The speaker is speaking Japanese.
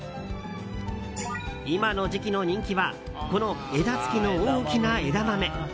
今の時期の人気はこの枝付きの大きな枝豆。